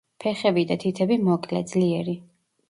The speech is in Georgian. ფეხები და თითები მოკლე, ძლიერი.